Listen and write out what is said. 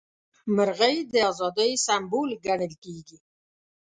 مرغۍ د ازادۍ سمبول ګڼل کیږي.